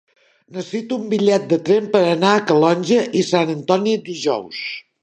Necessito un bitllet de tren per anar a Calonge i Sant Antoni dijous.